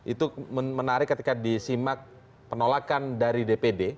itu menarik ketika disimak penolakan dari dpd